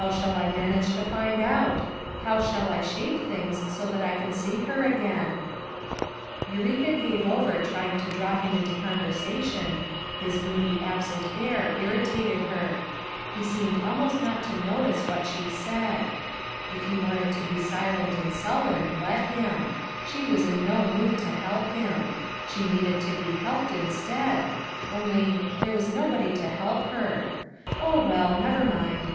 How shall I man age to find out? How shall I shape things so that I can see her again?*' Eureka gave over trying to draw him into conversation, his moody absent air irritated her; he seemed almost not to notice what she said; if be wanted to be silent and sullen, let liim; she was in no mood to help him; she needed to be helped, instead; only — there was nobody to help her. Oh, well, never mind.